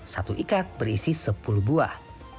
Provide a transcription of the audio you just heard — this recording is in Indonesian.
satu ikat berisi sepuluh buah